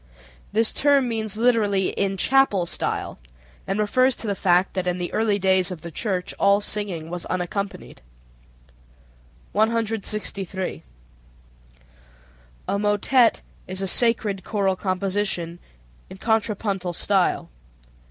This term means literally "in chapel style," and refers to the fact that in the early days of the church all singing was unaccompanied. 163. A motet is a sacred choral composition in contrapuntal style.